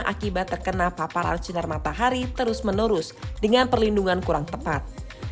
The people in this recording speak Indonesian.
akibat terkena paparan sinar matahari terus menerus dengan perlindungan kurang tepat